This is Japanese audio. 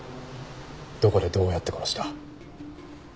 どこでどうやって殺した？